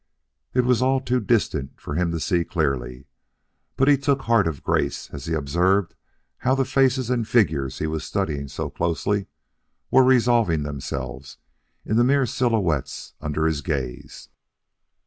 It was all too distant for him to see clearly, but he took heart of grace as he observed how the faces and figures he was studying so closely were resolving themselves into mere silhouettes under his gaze.